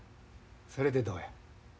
それでどうや？